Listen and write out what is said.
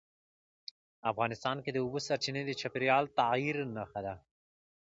افغانستان کې د اوبو سرچینې د چاپېریال د تغیر نښه ده.